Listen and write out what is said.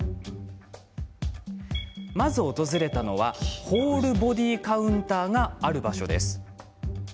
まず訪れたのはホールボディーカウンターがある場所です。